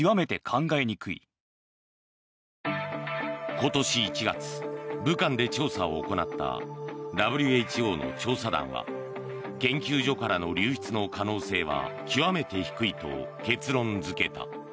今年１月、武漢で調査を行ったＷＨＯの調査団は研究所からの流出の可能性は極めて低いと結論付けた。